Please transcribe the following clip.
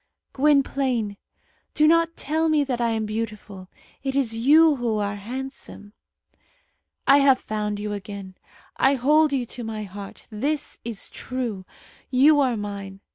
"Gwynplaine, do not tell me that I am beautiful. It is you who are handsome." "I have found you again. I hold you to my heart. This is true. You are mine.